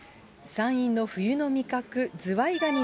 山陰の冬の味覚、ズワイガニ。